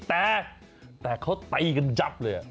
แต่แต่เขาไตกันจับเลย